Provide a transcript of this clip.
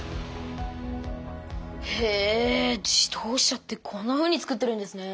へえ自動車ってこんなふうにつくってるんですね。